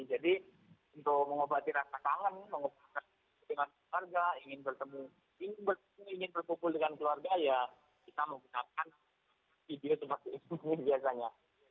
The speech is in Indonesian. jadi untuk mengobati rasa tangan mengobati kesempatan keluarga ingin bertemu ingin bertemu ingin berkumpul dengan keluarga ya kita menggunakan video seperti ini biasanya